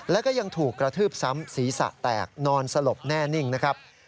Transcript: แล้วก็ยังถูกกระทืบซ้ำศีรษะแตกนอนสลบแน่นิ่งนะครับ